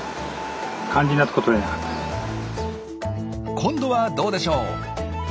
今度はどうでしょう？